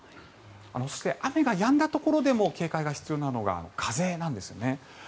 そして、雨がやんだところでも警戒が必要なのが風なんですよね。